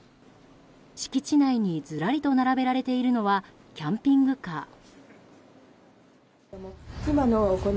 敷地内にずらりと並べられているのはキャンピングカー。